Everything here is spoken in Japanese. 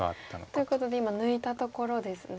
ということで今抜いたところですね。